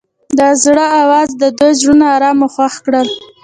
د زړه اواز د دوی زړونه ارامه او خوښ کړل.